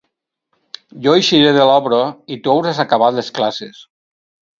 Jo eixiré de l’obra i tu hauràs acabat les classes...